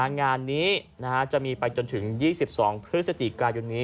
งานนี้จะมีไปจนถึง๒๒พฤศจิกายนนี้